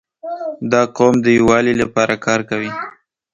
• دا قوم د یووالي لپاره کار کوي.